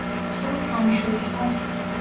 წყვილს სამი შვილი ჰყავს.